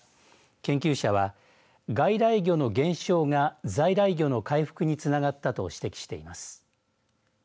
研究者は外来魚の減少が在来魚の回復に繋がったと指摘しています。